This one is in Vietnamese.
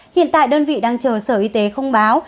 hiện tại đơn vị đang chờ sở y tế không báo